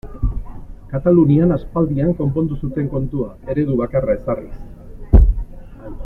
Katalunian aspaldian konpondu zuten kontua eredu bakarra ezarriz.